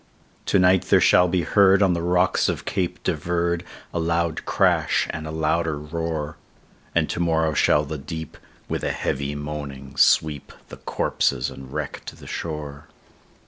"To night there shall be heard on the rocks of Cape de Verde, A loud crash, and a louder roar; And to morrow shall the deep, with a heavy moaning, sweep The corpses and wreck to the shore."